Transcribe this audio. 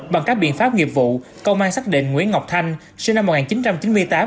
bằng các biện pháp nghiệp vụ công an xác định nguyễn ngọc thanh sinh năm một nghìn chín trăm chín mươi tám